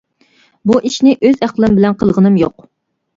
بۇ ئىشنى ئۆز ئەقلىم بىلەن قىلغىنىم يوق.